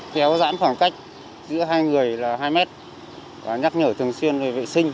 kéo dãn khoảng cách giữa hai người là hai mét và nhắc nhở thường xuyên về vệ sinh